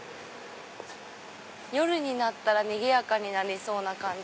夜になったらにぎやかになりそうな感じ。